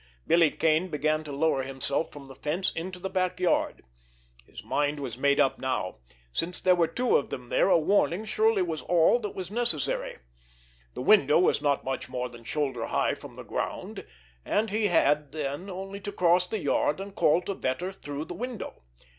Billy Kane began to lower himself from the fence into the backyard. His mind was made up now. Since there were two of them there, a warning surely was all that was necessary. The window was not much more than shoulder high from the ground, and he had, then, only to cross the yard and call to Vetter through the window.